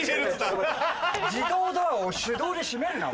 自動ドアを手動で閉めるな。